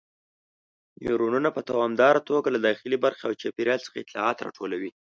نیورونونه په دوامداره توګه له داخلي برخې او چاپیریال څخه اطلاعات راټولوي.